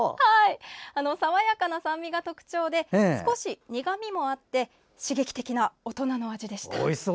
爽やかな酸味が特徴で少し苦みもあって刺激的な大人な味でした。